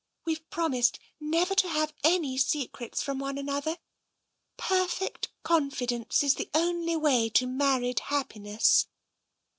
We've promised never to have any secrets from one another. Perfect confidence is the only way to married happi ness."